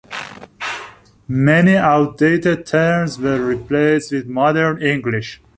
Many outdated terms were replaced with modern English.